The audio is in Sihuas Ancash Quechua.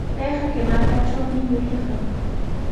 Payqa kay markatrawmi yurirqan.